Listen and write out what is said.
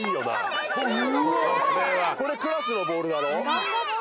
これクラスのボールだろ。